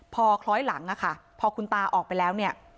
พอคล้อยหลังอะค่ะพอคุณตาออกไปแล้วเนี่ย